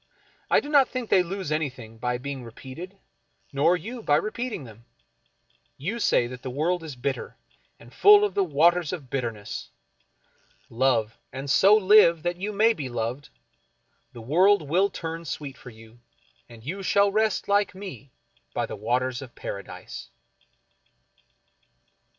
I do not think they lose anything by being re peated, nor you by repeating them. You say that the world is bitter, and full of the Waters of Bitterness. Love, and so live that you may be loved — the world will turn sweet for you, and you shall rest like me by the Waters of Paradise.